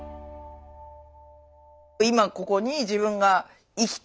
今ここに自分が生きてる。